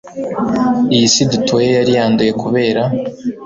iyi si dutuye yari yanduye, kubera